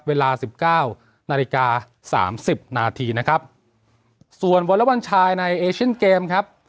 เวลาสิบเก้านาฬิกาสามสิบนาทีนะครับส่วนวอเล็กบอลชายในเอเชียนเกมครับ